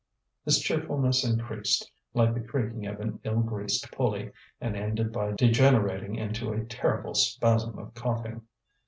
His cheerfulness increased, like the creaking of an ill greased pulley, and ended by degenerating into a terrible spasm of coughing.